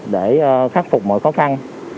để khắc phục mọi khó khăn